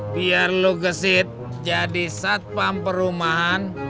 biar lu gesit jadi satpam perumahan